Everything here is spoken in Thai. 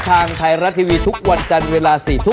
มีนิกคี่อยู่แล้วนะร้องเพลง